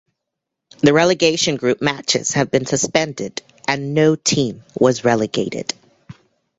The relegation group matches have been suspended and no team was relegated.